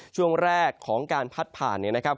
ช่วงแรกของการพัดผ่านเนี่ยนะครับ